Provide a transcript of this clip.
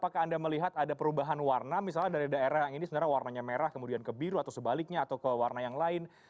apakah anda melihat ada perubahan warna misalnya dari daerah yang ini sebenarnya warnanya merah kemudian ke biru atau sebaliknya atau ke warna yang lain